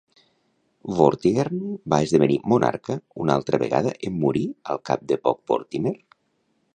Vortigern va esdevenir monarca una altra vegada en morir al cap de poc Vortimer?